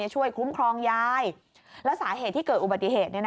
คุ้มครองยายแล้วสาเหตุที่เกิดอุบัติเหตุ